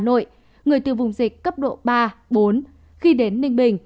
trong thời gian cách ly người từ vùng dịch cấp độ ba bốn khi đến ninh bình